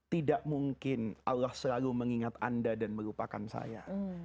tidak mungkin allah selalu mengingat anda dan melupakan saya